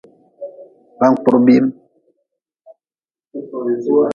Bankpurbim.